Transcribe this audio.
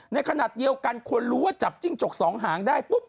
ในขณะเดียวกันคนรู้ว่าจับจิ้งจกสองหางได้ปุ๊บ